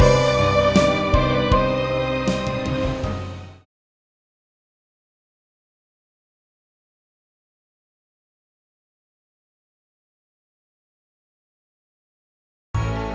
aku masih main